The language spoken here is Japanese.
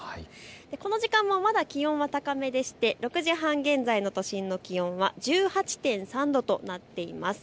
この時間はまだ気温は高めでして６時半現在の都心の気温は１８．３度となっています。